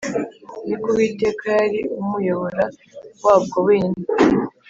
Ni ko Uwiteka yari umuyobora wabwo wenyine